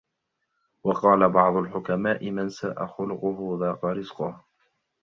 وَقَالَ بَعْضُ الْحُكَمَاءِ مَنْ سَاءَ خُلُقُهُ ضَاقَ رِزْقُهُ